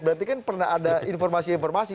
berarti kan pernah ada informasi informasi